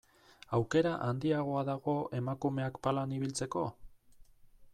Aukera handiagoa dago emakumeak palan ibiltzeko?